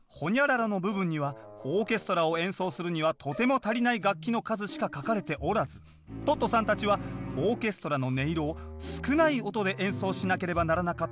の部分にはオーケストラを演奏するにはとても足りない楽器の数しか書かれておらずトットさんたちはオーケストラの音色を少ない音で演奏しなければならなかったといいます